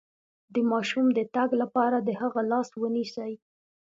د ماشوم د تګ لپاره د هغه لاس ونیسئ